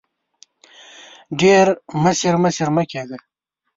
ډېر مشر مشر مه کېږه !